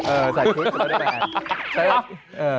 เออสายพลิกไม่ได้มา